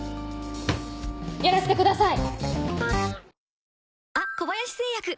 やらせてください！